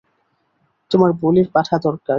তোমার বলির পাঠা দরকার।